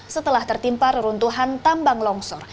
setelah tertimpar runtuhan tambang longsor